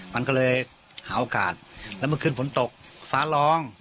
มันก็เลยหาโอกาสแล้วเมื่อคืนฝนตกฟ้าร้อง